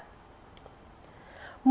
mưa lớn kèm